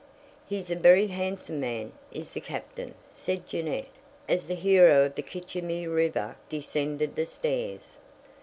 "He's a very handsome man, is the Captain," said Jeannette, as the hero of the Kitchyhomy River descended the stairs.